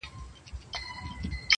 قاسم یاره وې تله که د خدای خپل سوې,